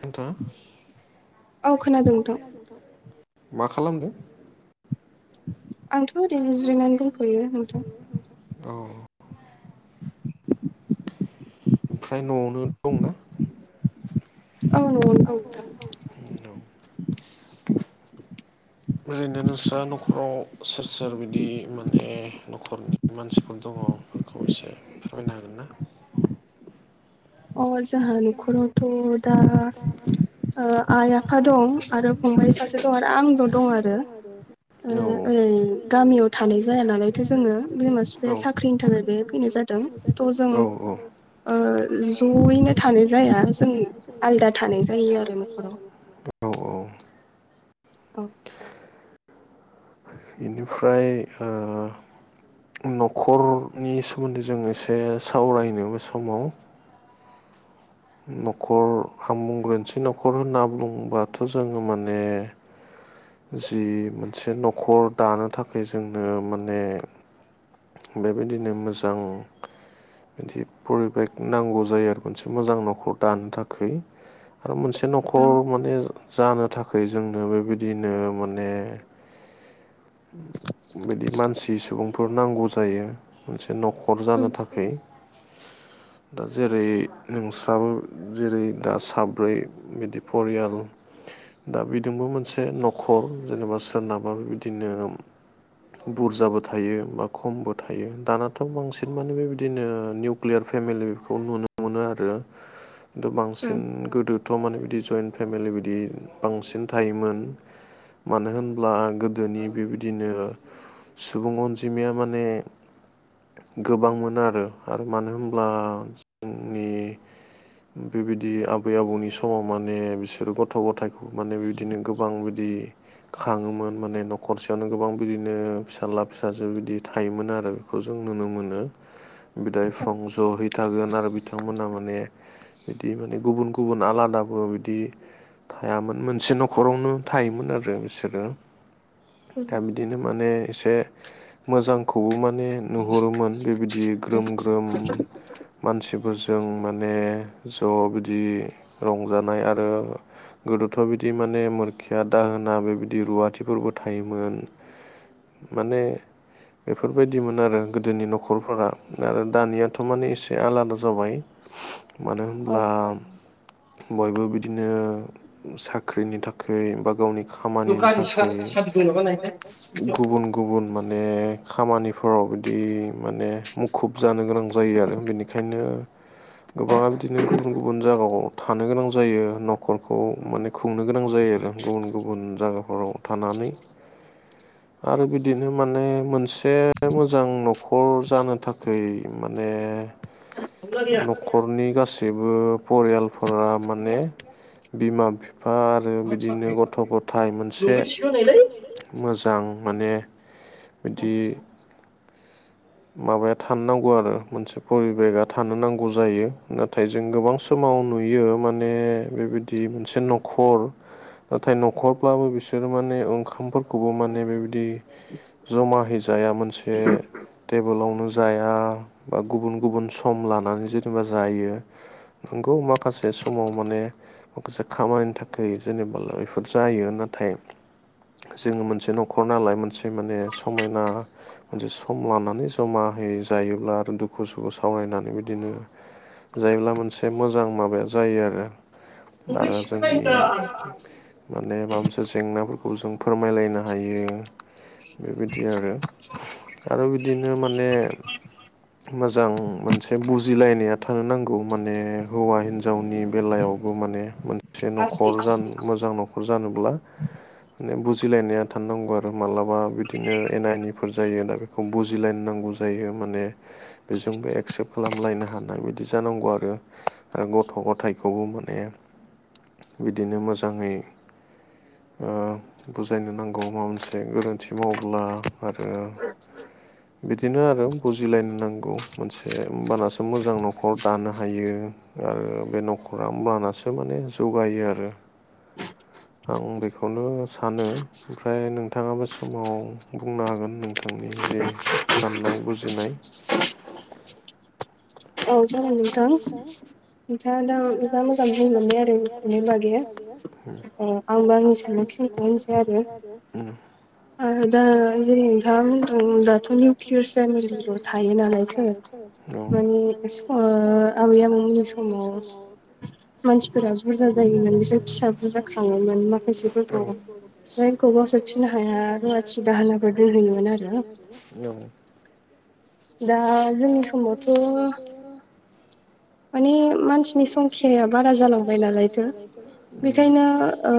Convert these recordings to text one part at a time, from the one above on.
नोंथाङा मा खालामदों। आंथ' दनै जिरायनानै दंफैयो नोंथां। औ। ओमफ्राय न'आवनो दंना। औ न'आवनो दं। बिनि उनाव [unintelligible] ओरैनो नोंस्रा न'खराव सोर सोर बिदि माने न'खरनि मानसिफोर दङ बेफोरखौ एसे फोरमायनो हागोन ना? अ' जोंहा न'खरावथ' दा ओ आइ आफा दं। आरो फंबाय सासे दं आरो आंल' दं आरो। ओ ओरै गामियाव थानाय जाया नालायथ' जोङो बिमा - बिफाया साख्रिनि थाखाय बे फैनाय जादों थ' जों ज'यैनो थानाय जाया जों आलदा थानाय जायो आरो न'खराव। औ - औ। औ। बेनिफ्राय ओ न'खरनि सोमोन्दै जों एसे सावरायनो बे समाव न'खर आं बुंग्रोनसै न'खर होनना बुङोब्लाथ' जोङो माने जि मोनसे न'खर दानो थाखाय जोंनो माने बेबायदिनो मोजां बिदि परिबेक नांगौ जायो आरो मोनसे मोजां न'खर दानो थाखाय आरो मोनसे न'खर माने जानो थाखाय जोंनो बेबायदिनो माने बिदि मानसि सुबुंफोर नांगौ जायो मोनसे न'खर न'खर जानो थाखाय [inaudible] दा जेरै नोंस्राबो जेरै दा साब्रै बिदि फरियाल दा बिजोंबो मोनसे न'खर जेनेबा सोरनाबा बिदिनो बुरजाबो थायो बा खमबो थायो दानाथ' बांसिन माने बेबायदिनो निउकलियार फेमिलि बेखौ नुनो मोनो आरो। [inaudible] खिन्थु बांसिन गोदोथ' माने बिदि जइन्ट फेमिलि बिदि बांसिन थायोमोन। मानो होनब्ला गोदोनि बेबायदिनो सुबुं अनजिमाया माने गोबां मोनो आरो आरो मानो होनब्ला जोंनि बेबायदि आबै आबौनि समाव माने बिसोरो गथ' गथाय खौ माने बिदिनो गोबां बिदि खाङोमोन माने न'खरसेयावनो गोबां बिदिनो फिसाला फिसाजो बिदि थायोमोन आरो बेखौ जों नुनो मोनो। बिदा इफं ज'है थागोन आरो बिथांमोनहा माने बिदि माने गुबुन गुबुन आलादाबो बिदि थायामोन मोनसे न'खरावनो थायोमोन आरो बिसोरो दा बिदिनो माने एसे मोजांखौबो माने नुहुरोमोन बेबायदि ग्रोम ग्रोम मानसिफोरजों माने ज' बिदि रंजानाय आरो गोदोथ' बिदि माने मुरखिया दाहोना बेबायदि रुवाथिफोरबो थायोमोन। माने बेफोरबायदिमोन आरो गोदोनि न'खरफोरा आरो दानियाथ' माने एसे आलादा जाबाय। मानो होनब्ला बयबो बिदिनो साख्रिनि थाखाय बा गावनि खामानिनि थाखोय गुबुन गुबुन माने खामानिफोराव बिदि माने मुखुब जानो गोनां जायो आरो बेनिखायनो गोबाङा बिदिनो गुबुन गुबुन जागाव थानो गोनां जायो न'खरखौ माने खुंनो गोनां जायो आरो गुबुन गुबुन जागाफोराव थानानै। आरो बिदिनो माने मोनसे मोजां न'खर जानो थाखै माने नख खरनि गासैबो परियालफोरा माने बिमा फिफा आर ओ बिदिनो गथ' गथाय मोनसे मोजां माने इदि माबाया थानो नांगौ आरो मोनसे परिबेगा थानो नांगौ जायो नाथाय जों गोबां सु समाव नुयो माने बेबायदि मोनसे न'खर नाथाय न'खरब्लाबो बिसोरो माने ओंखामफोरखौबो माने बेबायदि जमाहै जाया मोनसे टेबोलावनो जाया बा गुबुन गुबुन सम लानानै जेनेबा जायो। नंगौ माखासे समाव माने माखसे खामानिनि थाखाय जेनेबाला इफोर जायो नाथाय जोङो मोनसे न'खर नालाय मोनसे माने समायना मोनसे सम लाना ने जमाहै जायोब्ला आरो दुखु सुखु सावरायनानै बिदिनो जायोब्ला मोनसे मोजां माबाया जायो आरो। आरो जोंनि माने माब मोनसे जेंनाफोरखौ जों फोरमायलायनो हायो बेबायदि आरो आरो दिनो माने मोजां मोनसे बुजिलायनाया थानो नांगौ माने हौवा हिनजावनि बेलायावबो माने मोनसे न'खर जानो मोजां न'खर जानोब्ला ने बुजिलायनाया थाननांगौ आरो मालाबा बिदिनो एना एनिफोर जायो दा बेखौ बुजिलायन नांगौ जायो माने बेजों बे एक्सेप्ट खालामलायनो हानाय बिदि जानांगौ आरो। आरो गथ' गथाइखौबो माने बिदिनो मोजाङै ओ बुजायनो नांगौ माबा मोनसे गोरोन्थि मावोब्ला आरो [inaudible] बिदिनो आरो बुजिलायनो नांगौ मोनसे होमबानासो मोजां न'खर दानो हायो। आरो बे न'खरा होमबानासो माने जौगायो आरो। [inaudible] आं बेखौनो सानो ओमफ्राय नोंथाङाबो समाव बुंनो हागोन नोंथां। आंनि जे साननाय बुजिनाय औ जागोन नोंथां। नोंथांङा दा जा मोजां बुं मोनबाय आरो न'खरनि बागे। ओ ओ आंबो आंनि सानखिनिखो होननोसै आरो ओ दा जेरै नोंथांङा बुंदों दाथ' निउकलियार फेमिलिल' थायो नालायथो माने [unintelligible] आबै आबौमोननि समाव मानसिफोरा बुरजा जायोमोन बिसोर फिसा बुरजा खाङोमोन माखासेफोरखौ जायखौ गावसोर फिसिनो हाया रुवाथि दाहोनाफोर दोनहोयोमोन आरो। औ। दा जोंनि समावथ' माने मानसिनि संख्याया बारा जालांबाय नालायथो बेखायनो ओ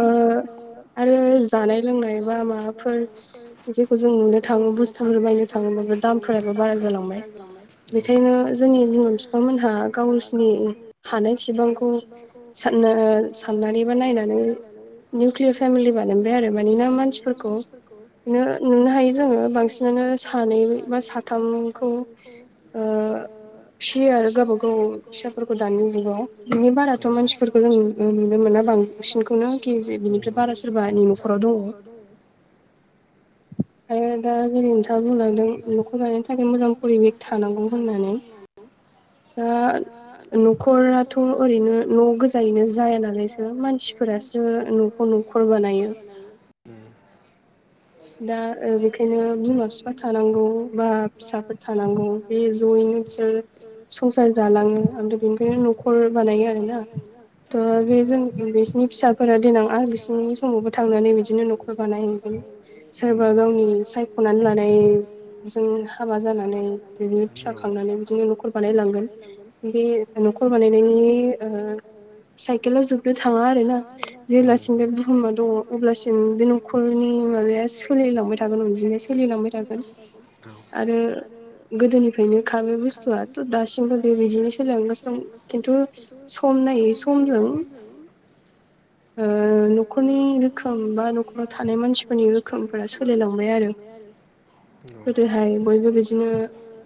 आरो जानाय लोंनाय बा माबाफोर जेखौ जों नुनो थांङो बुस्थुफोर बायनो [unintelligible] थाङोबाबो दामफोराबो [unintelligible] बेनिखायनो [unintelligible] फिफामोनहा गावसिनि हानाय सेबांखौ साननो साननानै बा नायनानै निउक्लियर फेमिलि बानायबाय आरो मानोना मानसिफोरखौ नो नुनो हायो जोङो बांसिन बांसिनानो सानै बा साथामखौ ओ गियो आरो गावबा-गाव ओ फिसाफोरखौ दानि जुगाव बिनि बाराथ' मानसिफोरखौ जों नुनो मोना बां दाना बांसिनखौनो [unintelligible] बारा सोरबानि न'खराव दङो। [unintelligible] दायो दा जेरै नोंथाङा बुंलांदों न'खर लानायनि थाखाय मोजां परिबेख थानांगौ होननानै। ओ न'खराथ' ओरैनो न' गोजायैनो जाया नालायसो मानसिफोरासो मानसिफोराबो न'खर-न'खर [unintelligible] ओम [inaudible] दा बेखायनो बिमा बिफा थानांगौ बा फिसाफोर थानांगौ बे ज'यैनो बिसोर बिसोर संसार जालाङो ओमफ्राय बेनिफ्रायनो न'खर बानायो आरोना। थ' बे जों [unintelligible] फिसाफोरा देनां आरो बिसोरनि समावबो थांनानै बिदिनो न'खर बानायहैगोन। सोरबा गावनि सायख'नानै लानाय जों हाबा जानानै बिनो फिसा खांनानै बिदिनो न'खर बानायलांगोन। बे न'खर बानायनायनि ओ साइकेला जोबनो थाङा आरो ना जेब्लासिम बे बुहुमा दङ अब्लासिम बे न' खरनि माबायास सोलिलांबाय थागोन अनजिमाया सोलिलांबाय थागोन। आरो गोदोनिफ्रायनो खा बेफोर बुस्थुव थ' दासिमबो बेबायदिनो सोलायलांगासिनो दं खिन्थु सम नायै समजों ओ न'खरनि रोखोम बा न'खराव थानाय मानसिफोरनि रोखोम खनिखामफ्रा सोलिलांबाय औ गोदोहाय बैबायदिजोंनो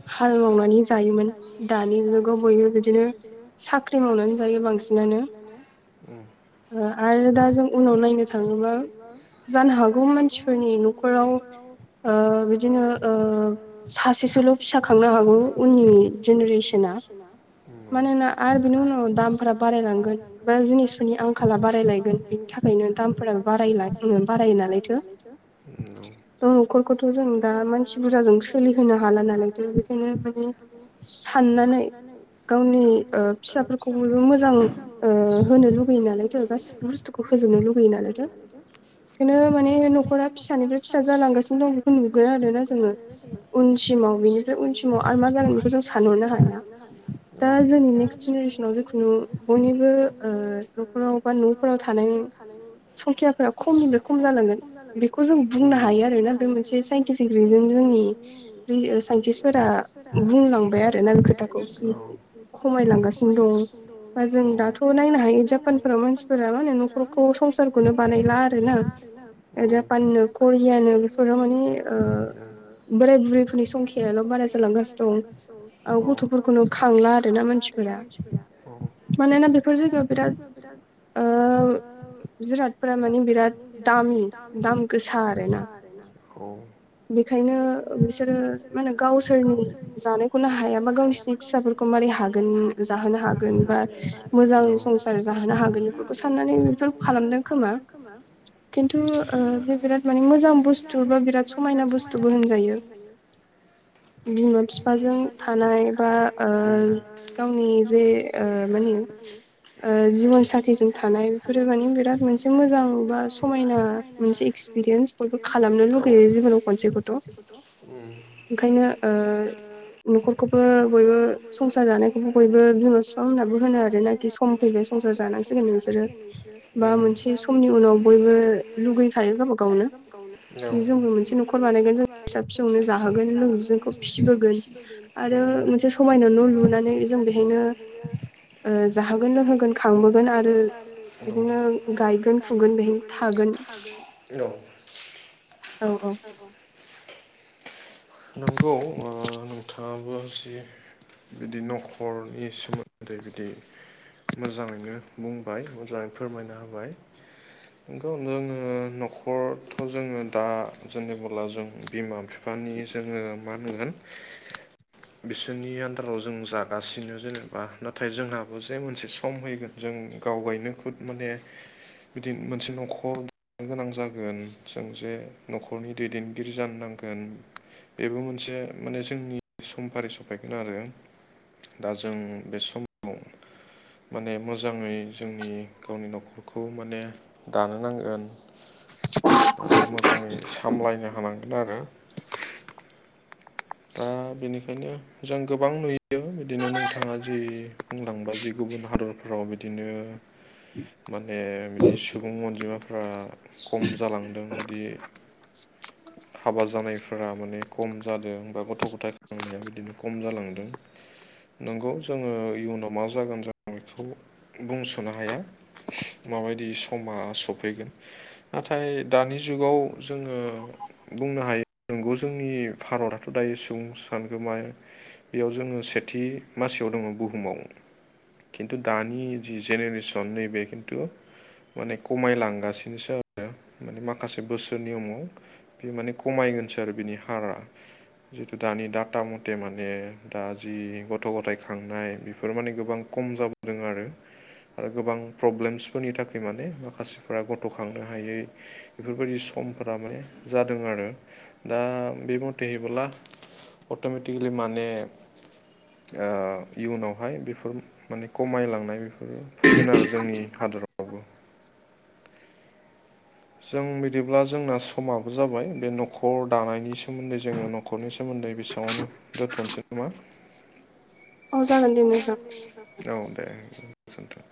हाल मावनानै जायोमोन दानि जुगाव बयबो बिदिनो साख्रि मावनानै जायो बांसिनानो। ओम। ओ आरो दा जों उनाव नायनो थाङोबा जानो हागौ मानसि फोरनि न'खराव ओ बिदिनो ओ सासेसोल' फिसा खांनो हा हागौ उननि जेनेरेसना मानोना आरो बिनि उनाव दामफोरा बारायलांगोन बा जिनिसफोरनि आंखाला बारायलायगोन बेनि थाखायनो दामफोराबो बारायला बारायो नालायथो। औ न'खरखौथ' जों दा मानसि बुरजाजों सोलिहोनो हाला नालाय बेबादि बेनो माने साननानै गावनि ओ फिसाफोरखौ बयबो मोजां ओ होनो लुगैयो नालायथो गासिबो बुस्थुखौ फोजोबनो लुगैयो नालायथ'। बेनो माने न'खरा फिसानिफ्राय फिसा जालांगासिनो दं बेखौ नुगोन आरो ना जोङो उनसिमाव बिनिफ्राय उनसिम समाव आरो मा जागोन बेखौ जों सानहरनो हाया, दा जोंनि नेक्स जेनेरेसनाव जेखुनु बयनिबो ओ न'खराव बा न'फोराव थानाय संखियाफोरा खमनिफाय खम जालांगोन। बेखौ जों बुंनो हायो आरोना। बे मोनसे साइनटिफिक रिजोन जोंनि साइन्टिस्फोरा [unintelligible] दं दा जों दाथ' नायनो हायो जापानफोराव मानसिफोरा होनो न'खरखौ संसारखौनो बानायला। आरोना। जापाननो, करियानो बेफोरो माने बोराय बुरैफोरनि संखियायाल' औ। [unintelligible] ओ जिरादफोरा माने बिराद दामि। दाम गोसा आरोना बेखायनो बिसोरो माने गावसो सोरनि जानायखौनो हायाबा गावसिनि फिसाफोरखौ मारै हागोन जाहोनो हागोन बा औ। खिन्थु बे बिराद माने मोजां बुस्थु बा बिराद समायना बुस्थुबो होनजायो। बिमा बिफाजों थानाय बा गावनि जे मानि जिबन साथिजों थानाय बेफोरो माने बिराद मोनसे मोजां बा समायना [inaudible] औ [inaudible] उम [inaudible] न'खरखौबो बयबो संसार जानायखौबो बयबो बिमा बिफा मोनहाबो होनो आरोना खि सम फैबाय संसार जानांसिगोन नोंसोरो बा मोनसे समनि उनाव बयबो लुगैखायो गावबा गावनो, खि जोंबो मोनसे न'खर बानायगोन, जों फिसा फिसौनो जाहोगोन जोंखौ फिसिबोगोन आरो मोनसे समायना न' लुनानै जों बेहायनो जाहोगोन लोंहोगोन खांहोगोन आरो बिखौनो गायगोन फुगोन बेहायनो थागोन। [unintelligible] औ। औ औ। औ। नोंगौ नोंथाङाबो जि बिदि न'खरनि सोमोन्दै बिदि मोजाङैनो बुंबाय मोजाङैनो फोरमायना होबाय। नंगौ जोङो न'खरथ' जोङो दा जेनेबोला जों बिमा बिफा बिफानि जोङो मा होनगोन बिसोरनि आन्दाराव जों जागासिनो जेनेबा नाथाय जोंहाबो जे मोनसे सम फैगोन। जों गाव गायनो खुद माने बिदि मोनसे न'खर जानो गोनां जागोन जों जे न'खरनि दैदेनगिरि जानो नांगोन। बेबो मोनसे माने जोंनि समफारि सफैगोन आरो दा जों बे सम माने मोजाङै जोंनि गावनि न'खरखौ माने दानो नांगोन। [unintelligible] आरो मोजाङै सामलायनो हानांगोन आरो। दा बेनिखायनो जों गोबां नुयो। बिदिनो नोंथाङा जि बुंलांबा जि गुबुन हादरफ्राव बिदिनो माने बिदि सुबुं अनजिमाफ्रा खम जालांदों। बिदि [unintelligible] हाबा जानायफोरा माने खम जादों। बा गथ' गथाय खांनाया बिदिनो खम जालांदों। नंगौ जोङो इयुनाव मा जागोन जों बेखौ बुंस'नो हाया। माबायदि समा सफैगोन। नाथाय दानि जुगाव जोङो बुंनो हायो नंगौ जोंनि भारता दायो सुबुं सानगोमा। बेयाव जोङो सेथि मासियाव दङ' बुहुमाव। खिन्थु दानि जि जेनेरेसन नैबे खिन्थु माने खमायलांगासिनोसो आरो माने माखासे बोसोरनि उनाव बे माने खमायगोनसो आरो बिनि हारा। जितु दानि डाटा मते माने दा जि गथ' गथाय खांनाय बेफोर माने गोबां कम जाब दों आरो। आरो गोबां प्रब्लेमसफोरनि थाखाय माने माखासेफ्रा गथ'खांनो हायै बेफोरबायदि समफोरा माने जादों आरो दा बे मतेबोला अट'मेटिकलि माने ओ इयुनावहाय बेफोर माने कमायलांनाय बेफोरो फैगोन आरो जोंनि हादराव‌‌ जों बिदिब्ला जोंना समाबो जाबाय बे न'खर दानायनि सोमोन्दै जोङो न खरनि सोमोन्दै बेसांआवनो दोनथ'निसै नामा? [unintelligible] औ जागोनदे नोंथां ‌। औ दे गोजोन्थों।